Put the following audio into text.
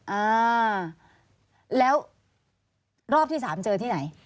อ่าแล้วรอบที่สามเจอที่ไหน